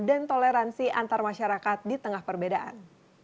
dan toleransi antar masyarakat di tengah perbedaan